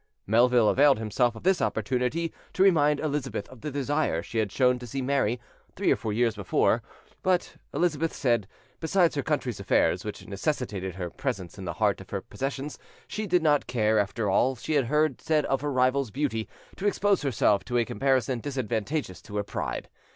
'" Melville availed himself of this opportunity to remind Elizabeth of the desire she had shown to see Mary, three or four years before; but Elizabeth said, besides her country's affairs, which necessitated her presence in the heart of her possessions, she did not care, after all she had heard said of her rival's beauty, to expose herself to a comparison disadvantageous to her pride.